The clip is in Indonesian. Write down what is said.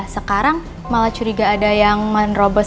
sekarang malah curiga ada yang menerobos